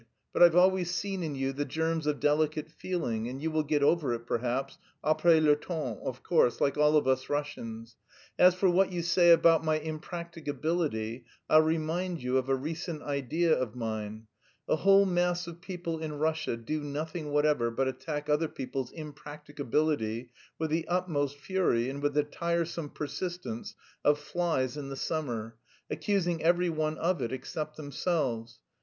_ But I've always seen in you the germs of delicate feeling, and you will get over it perhaps après le temps, of course, like all of us Russians. As for what you say about my impracticability, I'll remind you of a recent idea of mine: a whole mass of people in Russia do nothing whatever but attack other people's impracticability with the utmost fury and with the tiresome persistence of flies in the summer, accusing every one of it except themselves.